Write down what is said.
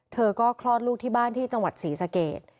เธอก็คลอดลูกที่บ้านที่จังหวัดศรีสเกต